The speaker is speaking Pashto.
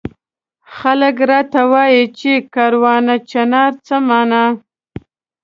خلک راته وایي چي کاروانه چنار څه مانا؟